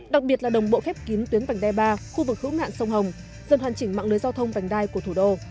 đặc biệt là đồng bộ khép kín tuyến vành đai ba khu vực hữu nạn sông hồng dần hoàn chỉnh mạng lưới giao thông vành đai của thủ đô